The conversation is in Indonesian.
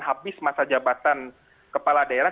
habis masa jabatan kepala daerah